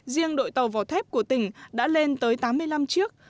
riêng đội tàu vỏ thép của tỉnh đã lên tới tám mươi năm chiếc